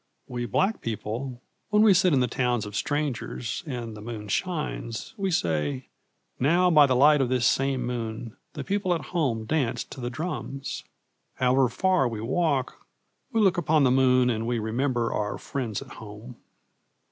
We black people, when we sit in the towns of strangers and the moon shines, we say, "Now by the light of this same moon the people at home dance to the drums!" However far we walk, we look upon the moon and we remember our friends at home.'